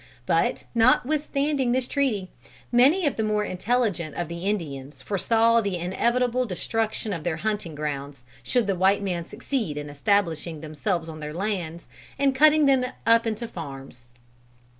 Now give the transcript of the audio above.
But, notwithstanding this treaty, many of the more intelligent of the Indians foresaw the inevitable destruction of their hunting grounds, should the white men succeed in establishing themselves on their lands, and cutting them up into farms.